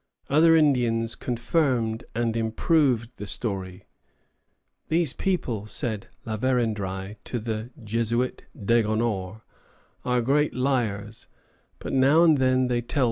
Other Indians confirmed and improved the story. "These people," said La Vérendrye to the Jesuit Degonnor, "are great liars, but now and then they tell the truth."